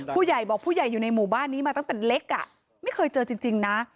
ผู้ใหญ่บอกผู้ใหญ่อยู่ในหมู่บ้านนี้มาตั้งแต่เล็กไม่เคยเจอจริงนะ